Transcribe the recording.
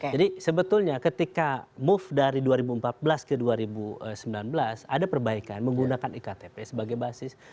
jadi sebetulnya ketika move dari dua ribu empat belas ke dua ribu sembilan belas ada perbaikan menggunakan iktp sebagai basis